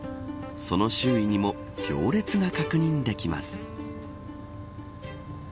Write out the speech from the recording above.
その周囲にも行列が確認できます。